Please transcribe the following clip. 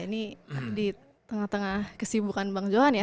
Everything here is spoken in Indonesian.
ini di tengah tengah kesibukan bang johan ya